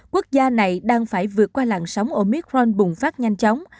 quốc gia này đang phải vượt qua làn sóng omicron bùng phát nhanh chóng